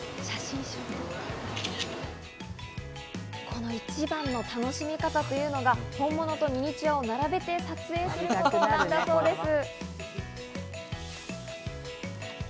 この一番の楽しみ方というのが、本物とミニチュアを並べて撮影することなんだそうです。